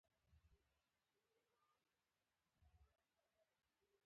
هېواد د هغې خاورې ویاړ دی چې ابادېږي.